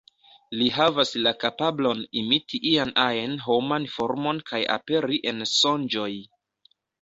Li havas la kapablon imiti ian-ajn homan formon kaj aperi en sonĝoj.